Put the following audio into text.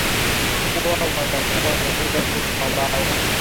kuwa wanakuwa na muda mrefu ambao